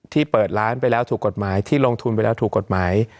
เปิดร้านไปแล้วถูกกฎหมายที่ลงทุนไปแล้วถูกกฎหมาย